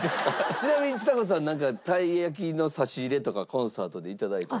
ちなみにちさ子さんなんかたい焼きの差し入れとかコンサートで頂いたり。